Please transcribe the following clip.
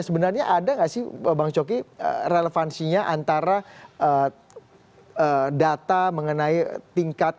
sebenarnya ada nggak sih bang coki relevansinya antara data mengenai tingkat